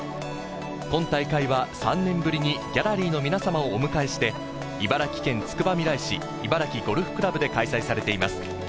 今大会は３年ぶりにギャラリーの皆様をお迎えして、茨城県つくばみらい市、茨城ゴルフ倶楽部で開催されています。